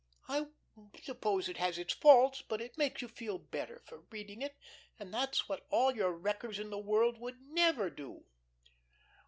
I suppose it has its faults, but it makes you feel better for reading it, and that's what all your 'Wreckers' in the world would never do."